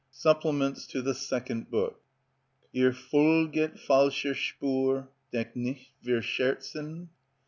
SUPPLEMENTS TO THE SECOND BOOK. "Ihr folget falscher Spur, Denkt nicht, wir scherzen!